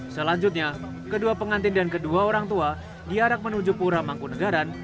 selanjutnya kedua pengantin dan kedua orang tua diarak menuju pura mangkunagaran